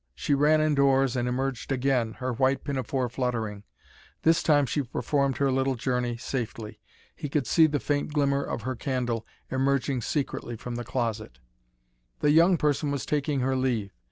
She ran indoors, and emerged again, her white pinafore fluttering. This time she performed her little journey safely. He could see the faint glimmer of her candle emerging secretly from the closet. The young person was taking her leave.